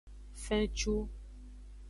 Fencu.